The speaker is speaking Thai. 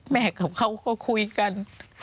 กับเขาก็คุยกัน